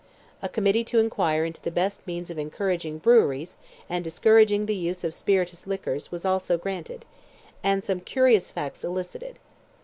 A committee to inquire into the best means of encouraging breweries, and discouraging the use of spirituous liquors, was also granted, and some curious facts elicited.